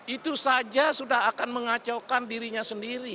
itu saja sudah akan mengacaukan dirinya sendiri